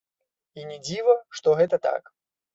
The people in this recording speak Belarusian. І не дзіва, што гэта так.